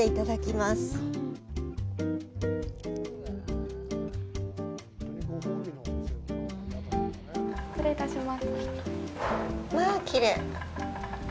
まあ、きれい。